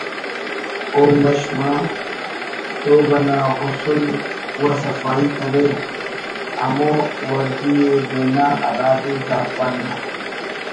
او (مشما) سہب انا غسل و سفائی کرے ہمو وردی ءِ بینا ہرادے جاپان نا